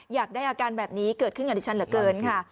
อยากได้อาการแบบนี้เกิดขึ้นกับดิฉันเหลือเกินค่ะ